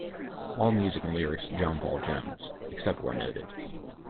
All music and lyrics John Paul Jones, except where noted.